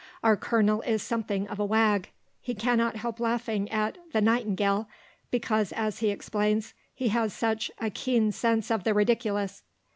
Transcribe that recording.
Our Colonel is something of a wag. He cannot help laughing at "the Nightingale," because, as he explains, he has such "a keen sense of the ridiculous."